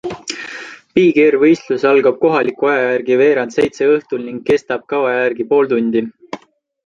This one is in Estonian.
Big Air võistlus algab kohaliku aja järgi veerand seitse õhtul ning kestab kava järgi pool tundi.